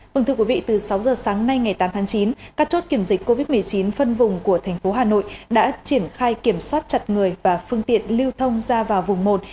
mừng thưa quý vị từ sáu giờ sáng nay ngày tám tháng chín các chốt kiểm dịch covid một mươi chín phân vùng của thành phố hà nội đã triển khai kiểm soát chặt người và phương tiện lưu thông ra vào vùng một